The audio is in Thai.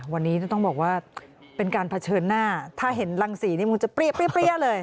วันนี้ต้องบอกว่าเป็นการเผชิญหน้าถ้าเห็นรังสีนี่มึงจะเปรี้ยเลย